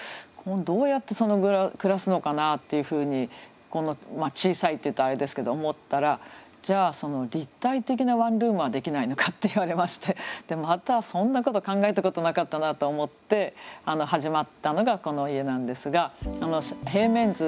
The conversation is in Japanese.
どうやって暮らすのかなっていうふうにこんな小さいって言うとあれですけど思ったらじゃあ立体的なワンルームはできないのかって言われましてまたそんなこと考えたことなかったなと思って始まったのがこの家なんですが平面図。